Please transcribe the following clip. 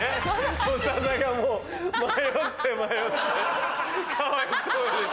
長田がもう迷って迷ってかわいそうに。